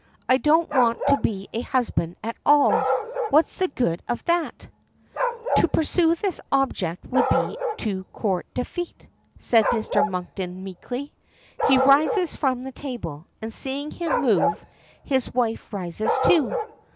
I don't want to be a husband at all. What's the good of that?" "To pursue the object would be to court defeat," says Mr. Monkton meekly. He rises from the table, and, seeing him move, his wife rises too.